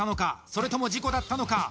それとも事故だったのか？